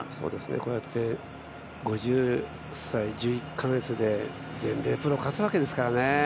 こうやって５０歳１１か月で全米プロ勝つわけですからね。